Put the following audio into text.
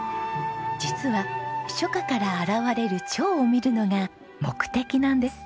実は初夏から現れるチョウを見るのが目的なんです。